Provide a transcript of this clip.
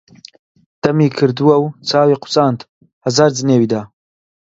دەمی کردوە و چاوی قوچاند، هەزار جنێوی دا: